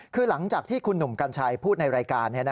คือหลังจากที่คุณหนุ่มกัญชัยพูดในรายการ